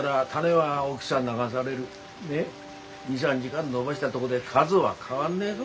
２３時間延ばしたどごで数は変わんねえぞ。